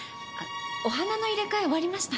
お花の入れ替え終わりました。